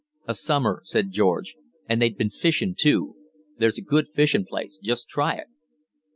"A summer," said George. "And they'd been fishing, too. There's a good fishing place just try it!"